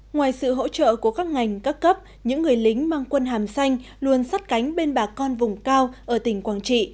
ngoài sự hỗ trợ của các ngành các cấp những người lính mang quân hàm xanh luôn sắt cánh bên bà con vùng cao ở tỉnh quảng trị